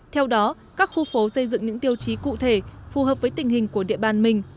theo đó các khu phố xây dựng những tiêu chí cụ thể phù hợp với tình hình của địa bàn mình